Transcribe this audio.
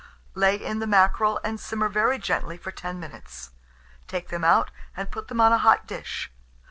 Lay in the mackerel, and simmer very gently for 10 minutes; take them out, and put them on a hot dish.